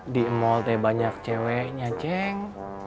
di mall teh banyak ceweknya ceng